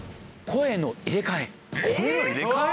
声の入れかえ？